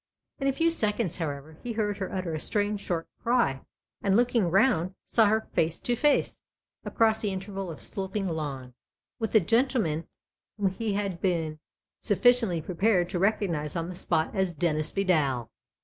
In a few seconds, however, he heard her utter a strange, short cry, and, looking round, saw her face to face across the interval of sloping lawn with a gentleman whom he had been suffi ciently prepared to recognise on the spot as Dennis Vidal.